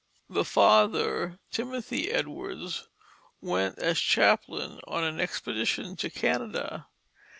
The father, Timothy Edwards, went as chaplain on an expedition to Canada.